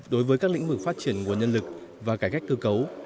đối với các lĩnh vực phát triển nguồn nhân lực và cải cách cơ cấu